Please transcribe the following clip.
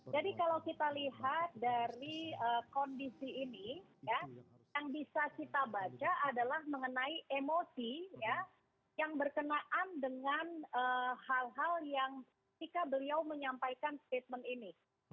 jadi kalau kita lihat dari kondisi ini yang bisa kita baca adalah mengenai emosi yang berkenaan dengan hal hal yang beliau menyampaikan statement ini